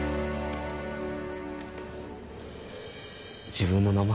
自分の名前？